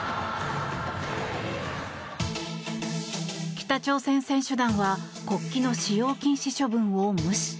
北朝鮮選手団は国旗の使用禁止処分を無視。